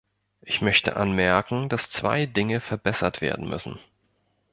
Ich möchte anmerken, dass zwei Dinge verbessert werden müssen.